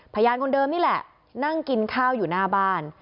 พยานคนเดิมนี่แหละนั่งกินข้าวอยู่หน้าบ้าน